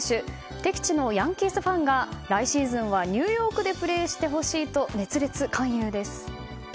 敵地のヤンキースファンが来シーズンはニューヨークでプレーしてほしいと熱烈勧誘です。